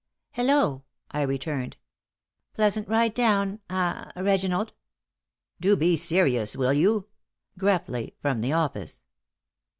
"Hello!" I returned. "Pleasant ride down ah Reginald?" "Do be serious, will you?" gruffly, from the office.